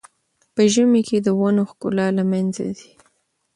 په ژمي کې د ونو ښکلا له منځه ځي.